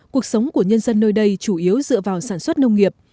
cuộc sống của nhân dân nơi đây chủ yếu dựa vào sản xuất nông nghiệp